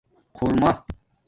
خورمہ